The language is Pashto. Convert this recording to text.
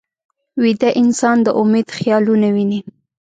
ویده انسان د امید خیالونه ویني